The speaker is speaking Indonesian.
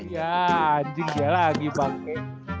ya anjing dia lagi bangkai